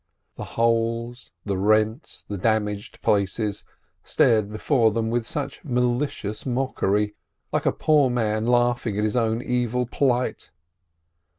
The holes, the rents, the damaged places, stared before them with such malicious mockery — like a poor man laughing at his own evil plight.